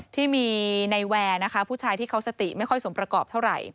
ที่มีในแวร์นะคะผู้ชายที่เขาสติไม่ค่อยสมประกอบเท่าไหร่